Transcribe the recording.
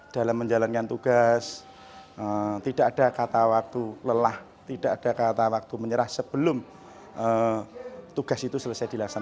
dalam menjalankan tugas tidak ada kata waktu lelah tidak ada kata waktu menyerah sebelum tugas itu selesai dilaksanakan